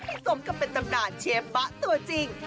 สมกับเป็นตำนานเชฟบะตัวจริง